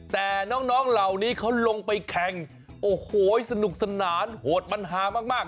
แต่น้องเหล่านี้เขาลงไปแข่งโอ้โหสนุกสนานโหดมันฮามาก